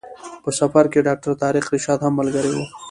په سفر کې ډاکټر طارق رشاد هم ملګری و.